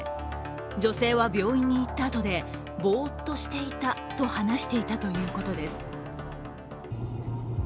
女性は病院に行ったあとで、ぼーっとしていたと話していたということです。